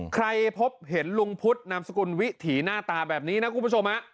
ใครพบเห็นลุงพุทธนามสกุลวิถีหน้าตาแบบนี้นะคุณผู้ชม